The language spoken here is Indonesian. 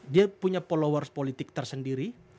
dia punya followers politik tersendiri